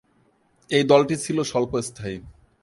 এই দলটি ছিল স্বল্পস্থায়ী।